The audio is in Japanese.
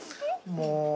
もう。